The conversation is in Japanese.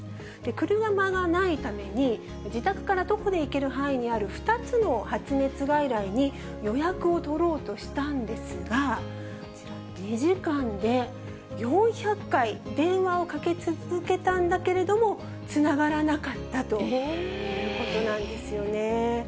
車がないために、自宅から徒歩で行ける範囲にある２つの発熱外来に予約を取ろうとしたんですが、こちら、２時間で４００回電話をかけ続けたんだけれども、つながらなかったということなんですよね。